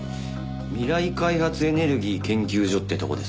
未来開発エネルギー研究所ってとこです。